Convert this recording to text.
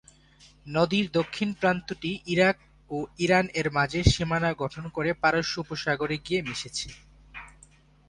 নদীর দক্ষিণ প্রান্তটি ইরাক ও ইরান-এর মাঝে সীমানা গঠন ক'রে পারস্য উপসাগর-এ গিয়ে মিশেছে।